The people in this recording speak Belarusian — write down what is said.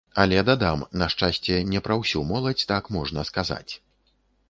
Але, дадам, на шчасце, не пра ўсю моладзь так можна сказаць.